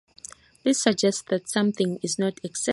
This suggests that something is not excessive or overwhelming.